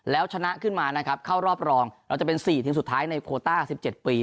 แล้วชนะขึ้นมานะครับเข้ารอบรองเราจะเป็น๔ทีมสุดท้ายในโคต้า๑๗ปี